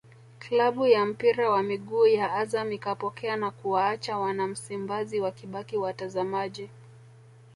klabu ya mpira wa miguu ya Azam ikapokea na kuwaacha wana Msimbazi wakibaki watazamaji